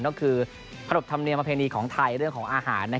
ก็คือผรดบธรรมเนียมแผงนี้ของไทยเรื่องของอาหาร